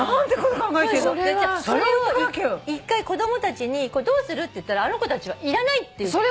それを一回子供たちにこれどうする？って言ったらあの子たちはいらないって言って。